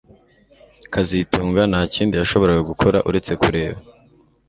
kazitunga nta kindi yashoboraga gukora uretse kureba